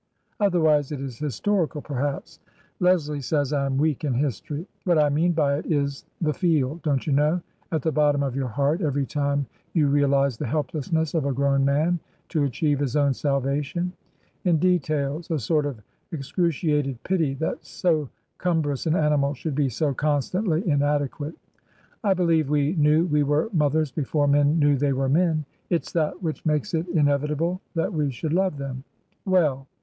Otherwise it is historical, perhaps — Leslie 288 TRANSITION. says I am weak in history. What I mean by it is the feel — don't you know — ^at the bottom of your heart every time you realize the helplessness of a grown man to achieve his own salvation — in details, a sort of excru ciated pity that so cumbrous an animal should be so constantly inadequate. I believe we knew we were mothers before men knew they were men. It's that which makes it inevitable that we should love them. Well!